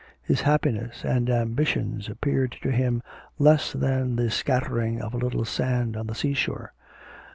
His happiness and ambitions appeared to him less than the scattering of a little sand on the sea shore.